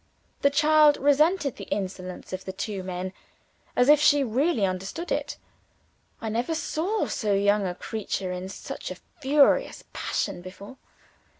The child resented the insolence of the two men as if she really understood it. I never saw so young a creature in such a furious passion before.